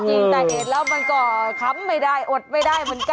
จริงแต่เห็นแล้วมันก็ค้ำไม่ได้อดไม่ได้เหมือนกัน